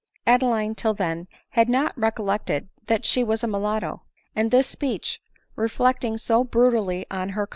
Adeline till then had not recollected that she was a mulatto ; and this speech, reflecting so brutally on her X ADELINE MOWBRAY.